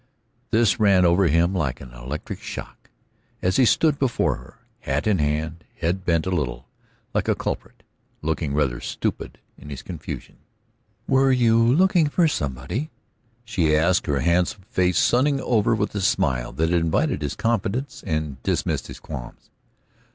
This ran over him like an electric shock as he stood before her, hat in hand, head bent a little, like a culprit, looking rather stupid in his confusion. "Were you looking for somebody?" she asked, her handsome face sunning over with a smile that invited his confidence and dismissed his qualms.